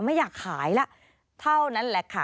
ไม่อยากขายละเท่านั้นแหละค่ะ